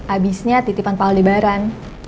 abisnya titipan pak aldebaran